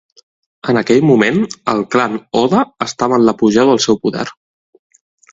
En aquell moment, el clan Oda estava en l'apogeu del seu poder.